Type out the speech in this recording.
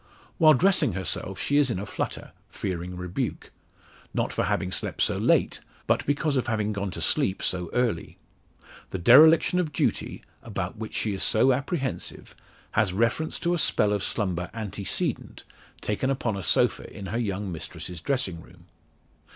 While dressing herself she is in a flutter, fearing rebuke. Not for having slept so late, but because of having gone to sleep so early. The dereliction of duty, about which she is so apprehensive, has reference to a spell of slumber antecedent taken upon a sofa in her young mistress's dressing room.